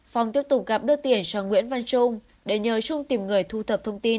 phong tiếp tục gặp đưa tiền cho nguyễn văn trung để nhờ trung tìm người thu thập thông tin